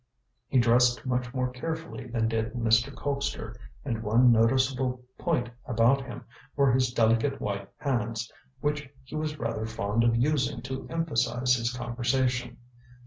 He dressed much more carefully than did Mr. Colpster, and one noticeable point about him were his delicate white hands, which he was rather fond of using to emphasize his conversation.